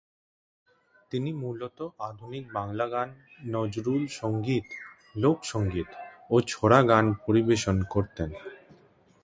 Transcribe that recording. তিনি মূলত আধুনিক বাংলা গান, নজরুল সঙ্গীত, লোক সঙ্গীত ও ছড়া গান পরিবেশন করতেন।